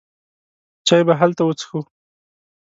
چای به هلته وڅښو.